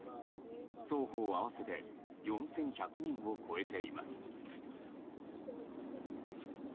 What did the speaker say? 双方合わせて４１００人を超えています。